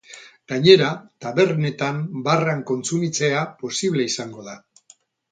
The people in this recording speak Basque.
Gainera, tabernetan barran kontsumitzea posible izango da.